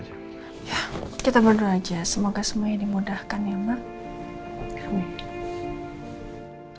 ya kita berdua aja semoga semuanya dimudahkan ya mbak